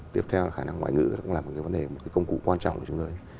tiếp theo là khả năng ngoại ngữ đó cũng là một công cụ quan trọng của chúng tôi